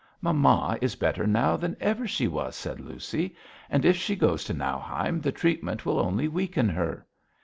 'Mamma is better now than ever she was,' said Lucy, 'and if she goes to Nauheim the treatment will only weaken her.'